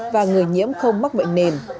và người nhiễm không mắc bệnh nền